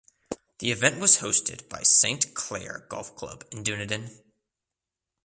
The event was hosted by St Clair Golf Club in Dunedin.